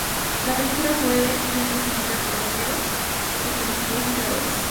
La película fue bien recibida por Romero, quien felicitó a sus creadores.